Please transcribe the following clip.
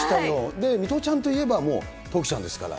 で、水卜ちゃんといえば、もう徳ちゃんですから。